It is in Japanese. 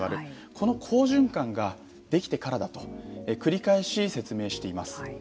この好循環ができてからだと繰り返し説明しています。